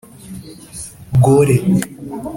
Gore.